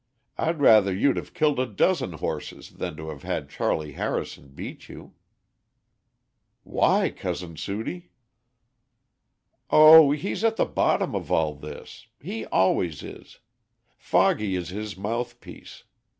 I'd rather you'd have killed a dozen horses than to have had Charley Harrison beat you." "Why, Cousin Sudie?" "O he's at the bottom of all this. He always is. Foggy is his mouth piece.